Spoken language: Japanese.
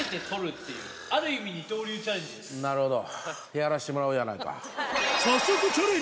なるほど。